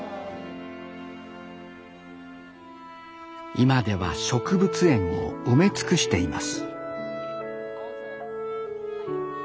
今では植物園を埋め尽くしています